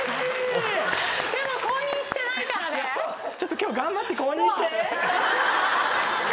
今日頑張って公認して。